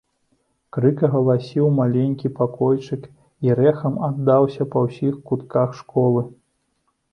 Крык агаласіў маленькі пакойчык і рэхам аддаўся па ўсіх кутках школы.